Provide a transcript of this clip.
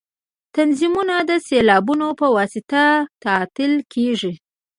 نظمونه د سېلابونو په واسطه تلل کیږي.